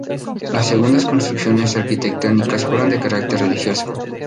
Las segundas construcciones arquitectónicas fueron de carácter religioso.